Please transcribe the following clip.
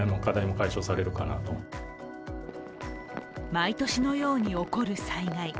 毎年のように起こる災害。